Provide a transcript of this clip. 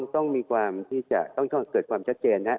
ต้องมีความที่จะเกิดความชัดเจนนะ